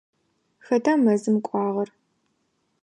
Хэта мэзым кӏуагъэр?